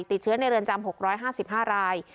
ติดเชื้อในเรือนจำ๖๕๕ราย